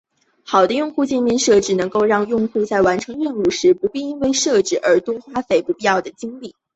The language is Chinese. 好的用户界面设计能够让用户在完成任务时不必因为设计本身花费不必要的精力。